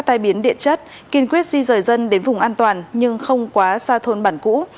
các tài viên biến điện chất kiên quyết di rời dân đến vùng an toàn nhưng không quá xa thôn bản cũ